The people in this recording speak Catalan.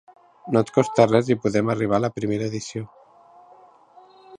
No et costa res i podem arribar a la primera edició.